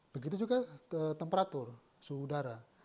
begitu juga temperatur suhu udara